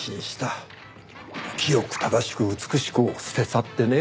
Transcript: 清く正しく美しくを捨て去ってね。